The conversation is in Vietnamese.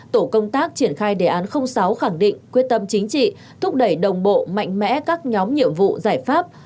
tổ công tác triển khai đề án sáu khẳng định quyết tâm chính trị thúc đẩy đồng bộ mạnh mẽ các nhóm nhiệm vụ giải pháp